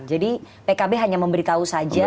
jadi pkb hanya memberitahu saja